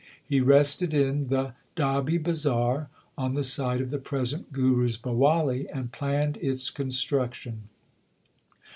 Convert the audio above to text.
He rested in the Dabbi Bazar on the site of the present Guru s Bawali , and planned its construction.